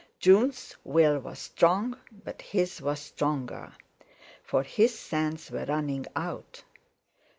June's will was strong, but his was stronger, for his sands were running out.